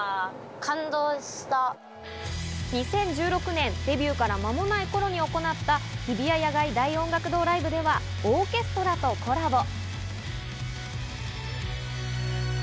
２０１６年、デビューから間もないころに行った日比谷野外大音楽堂ライブではオーケストラとコラボ。